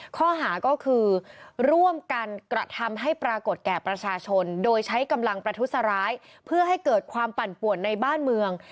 ข้อหาก็คือร่วมกันกระทำให้ปรากฏแก่ประชาชนโดยใช้กำลังประทุษร้ายเพื่อให้เกิดความปั่นป่วนในบ้านเมือง